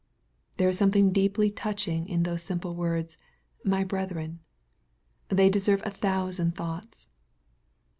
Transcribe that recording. There is something deeply touching in those simple words, "my brethren." They deserve a thousand thoughts.